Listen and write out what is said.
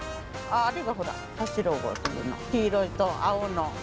黄色と青の。